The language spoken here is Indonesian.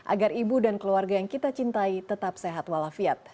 agar ibu dan keluarga yang kita cintai tetap sehat walafiat